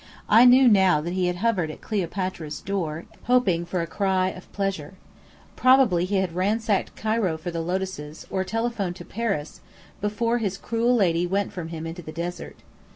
I knew now that he had hovered at Cleopatra's door hoping for a cry of pleasure. Probably he had ransacked Cairo for the lotuses, or telegraphed to Paris, before his cruel lady went from him into the desert.